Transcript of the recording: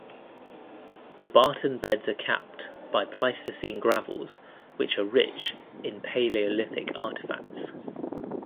The Barton Beds are capped by Pleistocene gravels which are rich in Paleolithic artefacts.